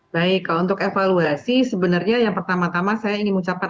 baik untuk evaluasi sebenarnya yang pertama tama saya ingin mengucapkan apa yang saya ingin mengucapkan